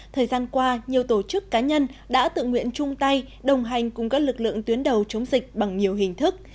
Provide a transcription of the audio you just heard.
thời gian qua nhiều tổ chức cá nhân đã tự nguyện chung tay đồng hành cùng các lực lượng tuyến đầu chống dịch bằng nhiều hình thức